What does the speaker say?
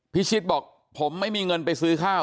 พิชิตบอกผมไม่มีเงินไปซื้อข้าว